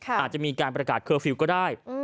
อาจจะมีการประกาศเคอร์ฟิลล์ก็ได้